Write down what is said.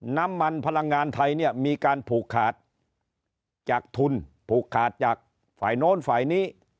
น้ำมันพลังงานไทยเนี่ยมีการผูกขาดจากทุนผูกขาดจากฝ่ายโน้นฝ่ายนี้